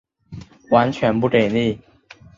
完全不给力